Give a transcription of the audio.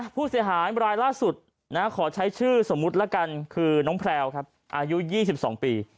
ผู้เสียหายรายล่าสุดขอใช้ชื่อสมมุติละกันคือน้องแพลวครับอายุ๒๒ปี